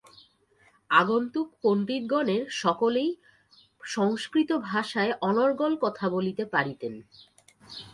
আগন্তুক পণ্ডিতগণের সকলেই সংস্কৃতভাষায় অনর্গল কথাবার্তা বলিতে পারিতেন।